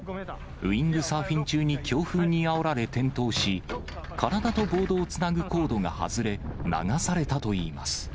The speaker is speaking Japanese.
ウイングサーフィン中に強風にあおられ転倒し、体とボードをつなぐコードが外れ、流されたといいます。